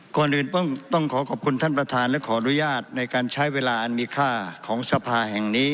ก่อนอื่นต้องขอขอบคุณท่านประธานและขออนุญาตในการใช้เวลาอันมีค่าของสภาแห่งนี้